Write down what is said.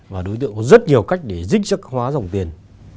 và đối tượng có rất nhiều cách để dích chất hóa dòng tiền